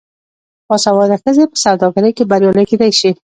باسواده ښځې په سوداګرۍ کې بریالۍ کیدی شي.